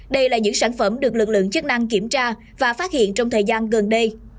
đây là những sản phẩm được lực lượng chức năng kiểm tra và phát hiện trong thời gian gần đây